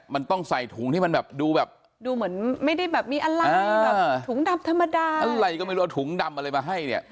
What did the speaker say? มันต้องใส่ถุงที่มันแบบดูแบบดูเหมือนไม่ได้แบบมีอะไรแบบถุงดำธรรมดาอะไรก็ไม่รู้เอาถุงดำอะไรมาให้เนี่ย